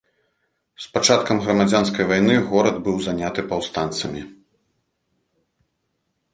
З пачаткам грамадзянскай вайны горад быў заняты паўстанцамі.